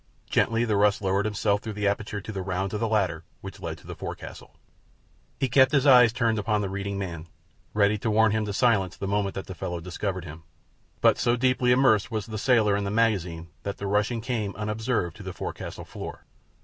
Gently the Russ lowered himself through the aperture to the rounds of the ladder which led into the forecastle. He kept his eyes turned upon the reading man, ready to warn him to silence the moment that the fellow discovered him; but so deeply immersed was the sailor in the magazine that the Russian came, unobserved, to the forecastle floor.